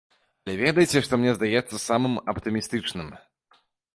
Але ведаеце, што мне здаецца самым аптымістычным?